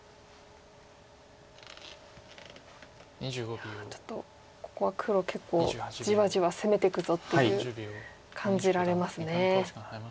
いやちょっとここは黒結構じわじわ攻めていくぞっていう感じられますね。